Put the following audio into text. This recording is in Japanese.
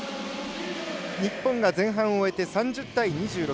日本が前半を終えて３０対２６。